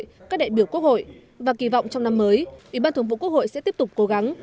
các đại biểu quốc hội và kỳ vọng trong năm mới ủy ban thường vụ quốc hội sẽ tiếp tục cố gắng